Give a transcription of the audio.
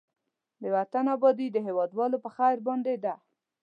د وطن آبادي د هېوادوالو په خير باندې ده.